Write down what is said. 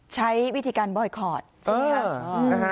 ใช้วิธีการบอยคอร์ดใช่ไหมคะ